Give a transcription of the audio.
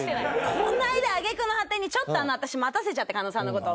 この間揚げ句の果てにちょっと私待たせちゃって加納さんの事を。